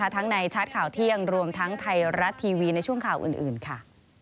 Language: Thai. ทั้งในชัดข่าวเที่ยงรวมทั้งไทยรัฐทีวีในช่วงข่าวอื่นค่ะ